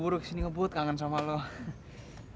tetap saja virtual anything for saul